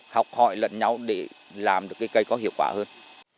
học hỏi lận nhau để làm được cái cây có hiệu quả hơn